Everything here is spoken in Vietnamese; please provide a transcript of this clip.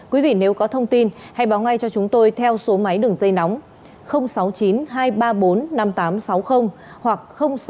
quý vị nếu có thông tin hãy báo ngay cho chúng tôi theo số máy đường dây nóng sáu mươi chín hai trăm ba mươi bốn năm nghìn tám trăm sáu mươi hoặc